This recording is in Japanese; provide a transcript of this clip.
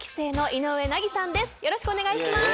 井上さんよろしくお願いします。